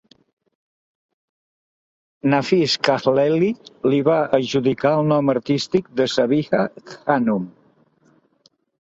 Nafees Khaleeli li va adjudicar el nom artístic de Sabiha Khanum.